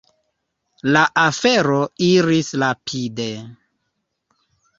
La afero iris rapide.